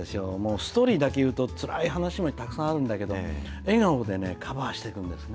ストーリーだけで言うと、つらい話もたくさんあるんだけど、笑顔でね、カバーしていくんですね。